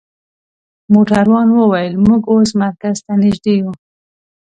موټروان وویل: موږ اوس مرکز ته نژدې یو.